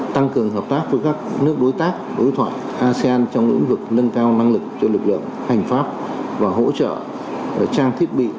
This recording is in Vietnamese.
tăng cường hợp tác với các nước đối tác đối thoại asean trong ứng dụng nâng cao năng lực cho lực lượng hành pháp và hỗ trợ trang thiết bị